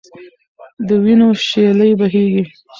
د وینو شېلې بهېږي.